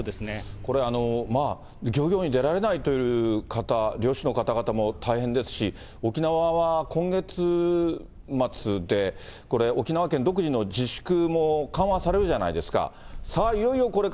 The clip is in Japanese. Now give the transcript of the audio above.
これ、まあ、漁業に出られないという漁師の方、漁師の方々も、大変ですし、沖縄は今月末で沖縄県独自の自粛も緩和されるじゃないですか。